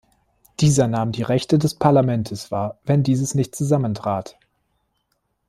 Dieser nahm die Rechte des Parlamentes wahr, wenn dieses nicht zusammentrat.